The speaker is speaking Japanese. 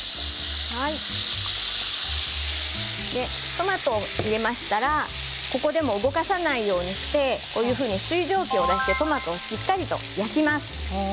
トマトを入れましたらここでも動かさないようにして水蒸気を出してトマトをしっかりと焼いていきます。